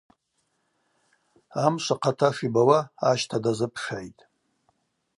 Амшв ахъата шибауа ащта дазыпшгӏитӏ.